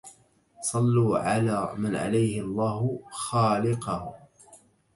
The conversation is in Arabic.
صلوا على من عليه الله خالقه